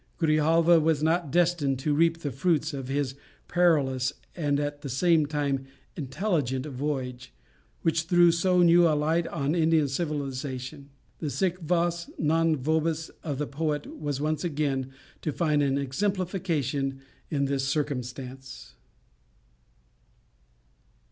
Grijalva was not destined to reap the fruits of his perilous and at the same time intelligent voyage, which threw so new a light on Indian civilization. The sic vos, non vobis of the poet was once again to find an exemplification in this circumstance.